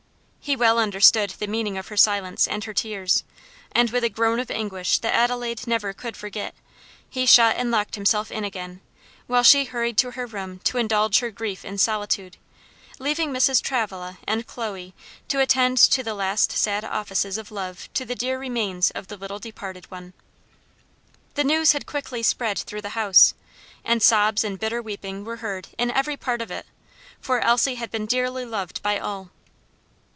He well understood the meaning of her silence and her tears, and with a groan of anguish that Adelaide never could forget, he shut and locked himself in again; while she hurried to her room to indulge her grief in solitude, leaving Mrs. Travilla and Chloe to attend to the last sad offices of love to the dear remains of the little departed one. The news had quickly spread through the house, and sobs and bitter weeping were heard in every part of it; for Elsie had been dearly loved by all.